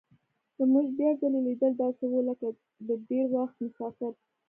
زموږ بیا ځلي لیدل داسې وو لکه د ډېر وخت مسافر.